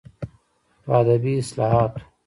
په ادبي اصلاحاتو